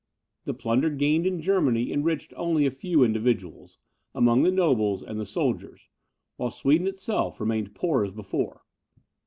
The plunder gained in Germany enriched only a few individuals, among the nobles and the soldiers, while Sweden itself remained poor as before.